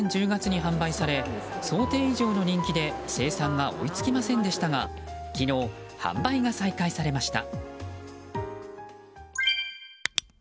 去年１０月に販売され想定以上の人気で生産が追いつきませんでしたが昨日、販売が再開されました。